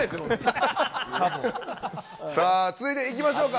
さあ、続いていきましょうか。